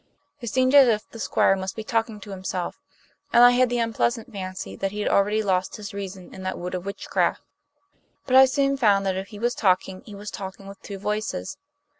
It seemed as if the Squire must be talking to himself, and I had the unpleasant fancy that he had already lost his reason in that wood of witchcraft. But I soon found that if he was talking he was talking with two voices.